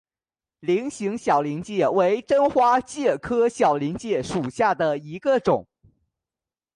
菱形小林介为真花介科小林介属下的一个种。